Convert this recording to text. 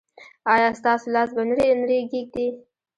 ایا ستاسو لاس به نه ریږدي؟